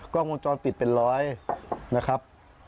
กล้องวงจรปิดเป็นร้อยนะครับ